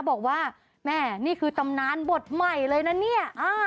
บอกว่าแม่นี่คือตำนานบทใหม่เลยนะเนี่ย